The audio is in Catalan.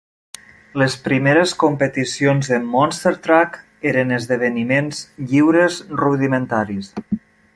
Les primeres competicions de Monster Truck eren esdeveniments lliures rudimentaris.